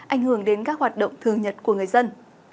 ảnh hưởng đến các hoạt động thường nhật của người dân